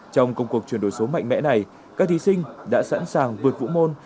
trong công cuộc chuyển đổi số mạnh mẽ này các thí sinh đã sẵn sàng vượt vũ môn